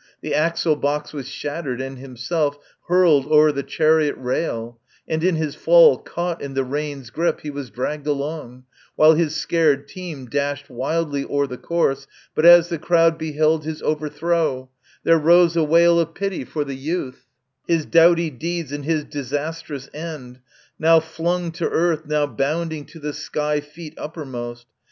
The axle box was shattered, and himself Hurled o'er the chariot rail, and in his fall Caught in the reins' grip he was dragged along, While his scared team dashed wildly o'er the course But as the crowd beheld his overthrow, There rose a wail of pity for the youth— His doughty deeds and his disastrous end— Now flung to earth, now bounding to the sky Feet uppermost.